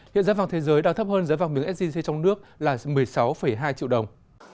hiện giá vàng thế giới đang thấp hơn giá vàng miếng sgc trong nước là một mươi sáu hai triệu đồng